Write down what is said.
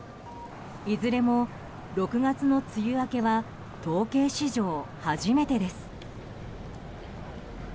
いずれも６月の梅雨明けは統計史上初めてです。